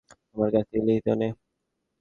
আমার কাছ থেকে লিখিত নে।